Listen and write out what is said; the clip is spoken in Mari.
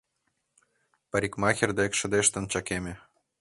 Парикмахер дек шыдештын чакеме.